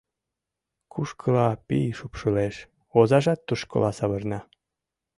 Кушкыла пий шупшылеш, озажат тушкыла савырна.